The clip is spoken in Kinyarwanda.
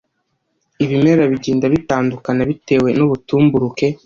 Ibimera bigenda bitandukana bitewe n’ubutumburuke